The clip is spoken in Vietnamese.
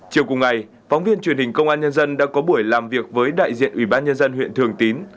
chiều cùng ngày phóng viên truyền hình công an nhân dân đã có buổi làm việc với đại diện ubnd huyện thường tín